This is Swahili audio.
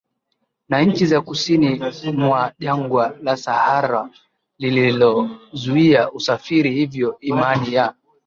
na nchi za kusini mwa jangwa la Sahara lililozuia usafiri Hivyo imani ya